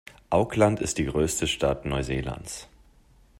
Auckland ist die größte Stadt Neuseelands.